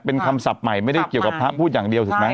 เป็นคำศัพท์ใหม่ไม่ได้เกี่ยวกับพระพูดอย่างเดียวถูกไหม